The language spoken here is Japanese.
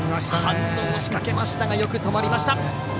反応しかけましたがよく止まりました。